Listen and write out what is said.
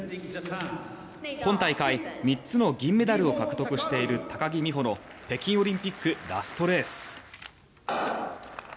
今大会、３つの銀メダルを獲得している高木美帆の北京オリンピックラストレース。